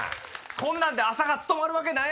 こんなんで朝が務まるわけない！